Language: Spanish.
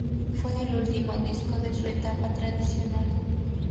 Fue el último disco de su etapa "tradicional".